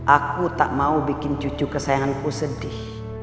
aku tak mau bikin cucu kesayanganku sedih